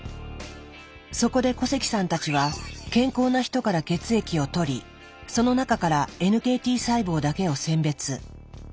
そこで古関さんたちは健康な人から血液をとりその中からＮＫＴ細胞だけを選別。